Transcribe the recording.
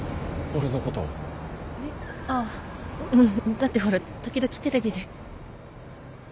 だってほら時々テレビで。